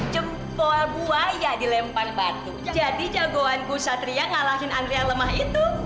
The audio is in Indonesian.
jempol buaya dilempar batu jadi jagoanku satria ngalahin andrea lemah itu